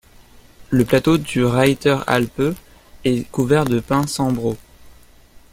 Le plateau du Reiter Alpe est couvert de pins cembro.